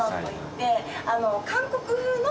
韓国風の？